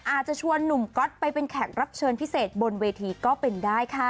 อาจจะชวนหนุ่มก๊อตไปเป็นแขกรับเชิญพิเศษบนเวทีก็เป็นได้ค่ะ